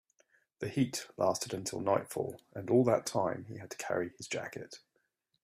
The heat lasted until nightfall, and all that time he had to carry his jacket.